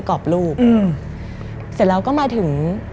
มันกลายเป็นรูปของคนที่กำลังขโมยคิ้วแล้วก็ร้องไห้อยู่